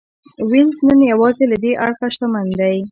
وینز نن یوازې له دې اړخه شتمن دی